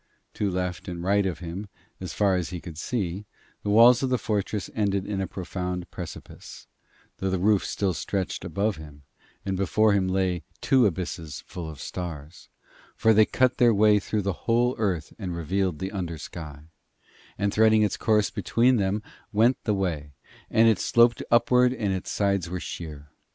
To left and right of him, as far as he could see, the walls of the fortress ended in a profound precipice, though the roof still stretched above him; and before him lay the two abysses full of stars, for they cut their way through the whole Earth and revealed the under sky; and threading its course between them went the way, and it sloped upward and its sides were sheer.